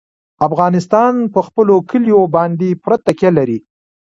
افغانستان په خپلو کلیو باندې پوره تکیه لري.